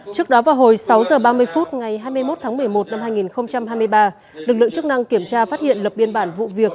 trước đó vào hồi sáu h ba mươi phút ngày hai mươi một tháng một mươi một năm hai nghìn hai mươi ba lực lượng chức năng kiểm tra phát hiện lập biên bản vụ việc